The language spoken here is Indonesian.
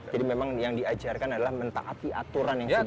jadi memang yang diajarkan adalah mentaati aturan yang sudah ada